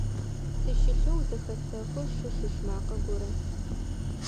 Сыщылъэу зэхэсэхы шы-шыш макъэ горэ.